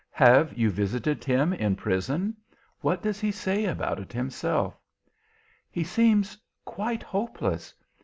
"Have you visited him in prison? What does he say about it himself?" "He seems quite hopeless.